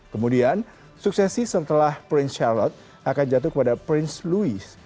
kemudian suksesi setelah prince charlot akan jatuh kepada prince louis